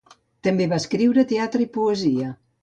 També va escriure teatre i poesia.